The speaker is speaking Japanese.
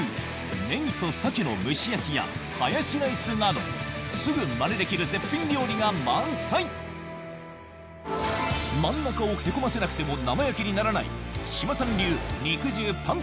ネギとサケの蒸し焼きやハヤシライスなどすぐまねできる絶品料理が満載真ん中をへこませなくてもおっ。